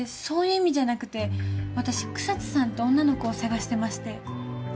そういう意味じゃなくて私草津さんって女の子を捜してまして。